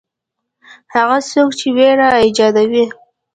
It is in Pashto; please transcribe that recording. هغه څوک چې وېره ایجادوي.